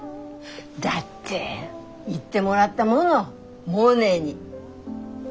だって言ってもらったものモネに。